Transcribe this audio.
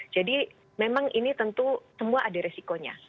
jadi memang ini tentu semua ada resikonya